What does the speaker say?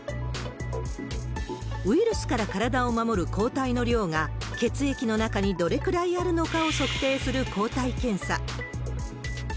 ウイルスから体を守る抗体の量が血液の中にどれくらいあるのかを測定する抗体検査。